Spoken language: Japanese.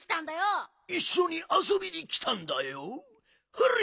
ほれ！